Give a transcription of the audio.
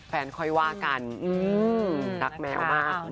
ค่อยว่ากันรักแมวมาก